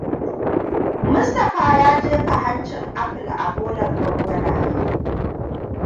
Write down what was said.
Mustapha ya jefa hancin apple a bolar gwangwanaye.